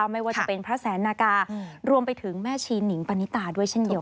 ไม่ว่าจะเป็นพระแสนนาการวมไปถึงแม่ชีหนิงปณิตาด้วยเช่นเดียว